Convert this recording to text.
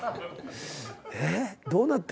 えっ？